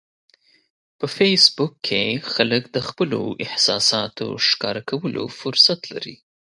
په فېسبوک کې خلک د خپلو احساساتو ښکاره کولو فرصت لري